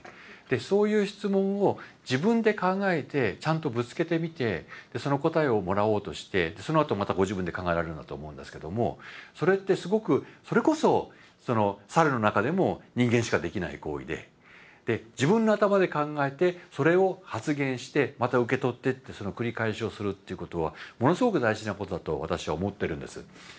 そういう質問を自分で考えてちゃんとぶつけてみてその答えをもらおうとしてそのあとまたご自分で考えられるんだと思うんですけどもそれってすごくそれこそ猿の中でも人間しかできない行為で自分の頭で考えてそれを発言してまた受け取ってってその繰り返しをするっていうことはものすごく大事なことだと私は思ってるんです。